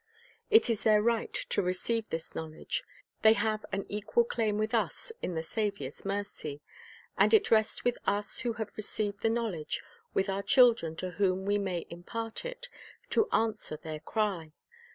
It is their right to receive this knowledge. They have an equal claim with us in the Saviour's mere) . And it rests with us who have received the knowledge, with our children to whom we may impart it, to answer their cry.